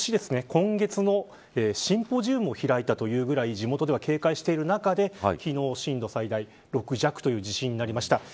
今月もシンポジウムを開いたというぐらい地元では警戒している中で昨日、震度が最大で６弱という地震になりました。